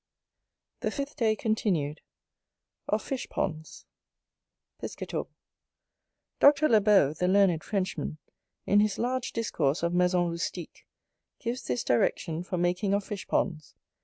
The FIFTH day continued Of Fish Ponds Chapter XX Piscator DOCTOR LEBAULT, the learned Frenchman, in his large discourse of Maison Rustique, gives this direction for making of fish ponds.